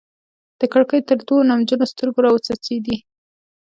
د کړکۍ تر دوو نمجنو ستوګو راوڅڅيدې